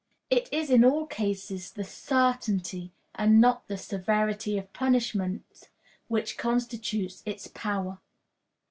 It is in all cases the certainty, and not the severity, of punishment which constitutes its power.